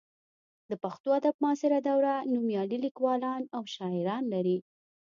د پښتو ادب معاصره دوره نومیالي لیکوالان او شاعران لري.